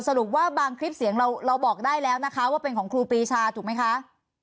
สรุปว่าบางคลิปเสียงเราบอกได้แล้วนะคะว่าเป็นของครูปรีชาถูกไหมคะ